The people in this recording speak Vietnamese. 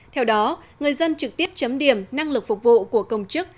theo đó người dân trực tiếp chấm điểm năng lực phục vụ của công chức